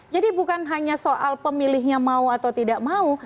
jadi bukan hanya soal pemilihnya mau atau tidak mau